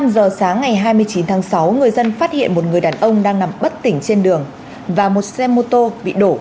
năm giờ sáng ngày hai mươi chín tháng sáu người dân phát hiện một người đàn ông đang nằm bất tỉnh trên đường và một xe mô tô bị đổ